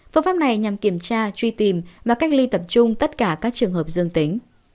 phương pháp này nhằm kiểm tra truy tìm và cách ly tập trung tất cả các trường hợp dương tính